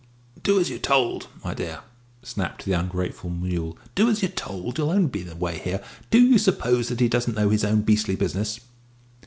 "Do as you're told, my dear!" snapped the ungrateful mule; "do as you're told. You'll only be in the way here. Do you suppose he doesn't know his own beastly business?"